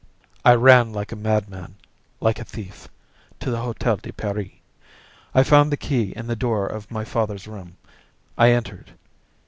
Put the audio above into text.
I ran like a madman, like a thief, to the Hotel de Paris; I found the key in the door of my father's room; I entered.